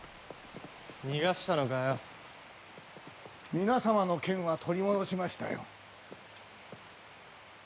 皆様の剣は取り戻しましたよ。